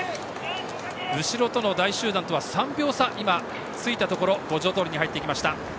後ろとの大集団とは３秒差がついて五条通に入っていきました。